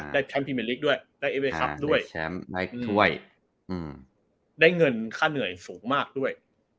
ได้ต้องเป็นเรียกด้วยและก็ด้วยแชมป์แมลกหัวได้เงินค่าเหนื่อยสูงมากด้วย